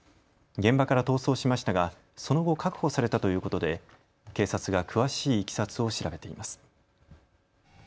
現場から逃走しましたがその後、確保されたということで警察が詳しいいきさつを調べています。